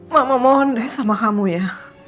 mama mohon deh sama kamu ya